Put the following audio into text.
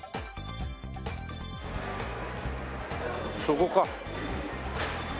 そこか。